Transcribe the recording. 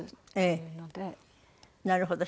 なるほど。